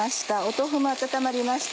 豆腐も温まりました